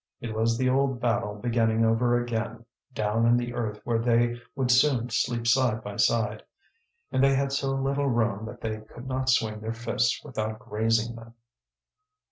It was the old battle beginning over again, down in the earth where they would soon sleep side by side; and they had so little room that they could not swing their fists without grazing them.